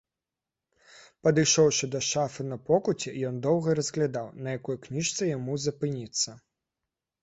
Падышоўшы да шафы на покуці, ён доўга разглядаў, на якой кніжцы яму запыніцца.